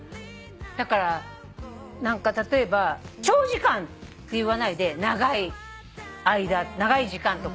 だから例えば「長時間」って言わないで「長い時間」とか。